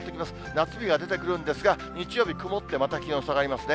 夏日が出てくるんですが、日曜日曇って、また気温下がりますね。